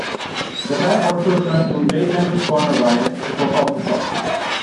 The band also returned to "Late Night with Conan O'Brien" to perform the song.